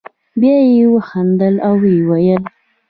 بیا یې وخندل او ویې ویل.